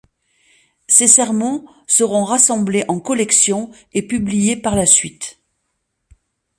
Ces sermons seront rassemblés en collections et publiés par la suite.